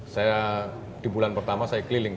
saya di bulan pertama saya keliling